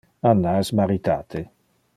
Anna es maritate.